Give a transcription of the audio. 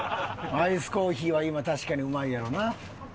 アイスコーヒーは今確かにうまいやろな。